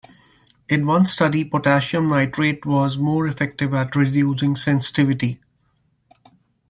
In one study, potassium nitrate was more effective at reducing sensitivity.